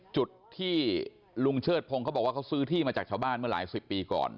จุดที่ลุงเชิดพงศ์เขาบอกว่าเขาซื้อที่มาจากชาวบ้านเมื่อหลายสิบปีก่อน